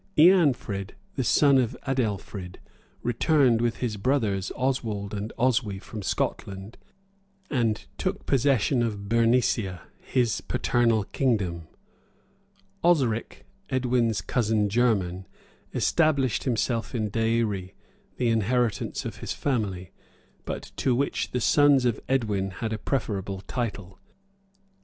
Eanfrid, the son of Adelfrid, returned with his brothers, Oswald and Oswy, from Scotland, and took possession of Bernicia, his paternal kingdom; Osric, Edwin's cousin german, established himself in Deïri, the inheritance of his family, but to which the sons of Edwin had a preferable title.